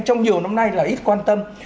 trong nhiều năm nay là ít quan tâm